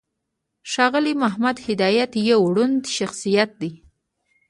ښاغلی محمد هدایت یو دروند شخصیت دی.